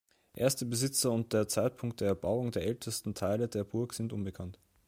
Erste Besitzer und der Zeitpunkt der Erbauung der ältesten Teile der Burg sind unbekannt.